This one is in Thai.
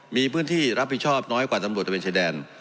มีพื้นที่รับผิดชอบน้อยกว่าตำรวจตะเวนชายแดน